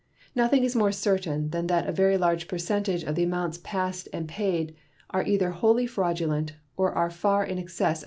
Nothing is more certain than that a very large percentage of the amounts passed and paid are either wholly fraudulent or are far in excess of the real losses sustained.